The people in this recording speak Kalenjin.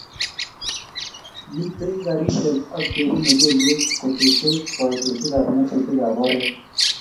Mitei garisiek ak chebunei kelyek ko tesei koitosiekab nyasutikab oret